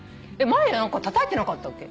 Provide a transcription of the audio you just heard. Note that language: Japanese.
前何かたたいてなかったっけ？